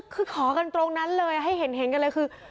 คือขอกันตรงนั้นเลยให้เห็นกันเลยคือ